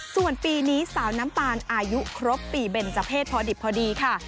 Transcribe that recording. ส่วนปีนี้สาวน้ำตาลอายุครบปีเบนเจอร์เพศพอดิบพอดีค่ะ